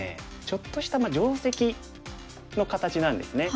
ちょっとした定石の形なんですね。